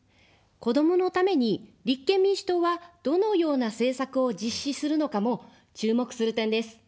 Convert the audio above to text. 子どものために立憲民主党はどのような政策を実施するのかも注目する点です。